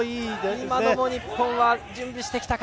今のも日本は準備してきた形。